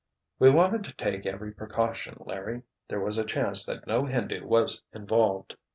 "We wanted to take every precaution, Larry. There was a chance that no Hindu was involved.